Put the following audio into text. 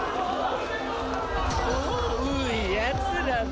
ういやつらだ。